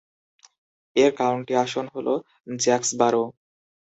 এর কাউন্টি আসন হল জ্যাকসবোরো।